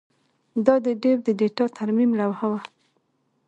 دا د ډیو د ډیټا ترمیم لوحه وه